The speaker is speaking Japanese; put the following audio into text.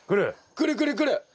くるくるくる。